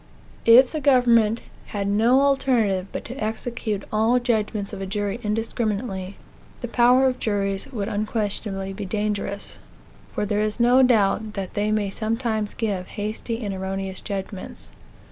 If the government had no alternative but to execute all judgments of a jury indiscriminately, the power of juries would unquestionably be dangerous; for there is no doubt that they may sometimes give hasty and erroneous judgments.